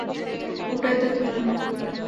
ওটাই তো তোমার রুম।